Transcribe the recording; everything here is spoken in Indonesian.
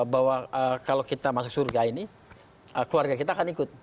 bahwa kalau kita masuk surga ini keluarga kita akan ikut